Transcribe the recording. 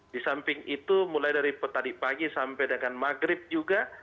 di samping itu mulai dari tadi pagi sampai dengan maghrib juga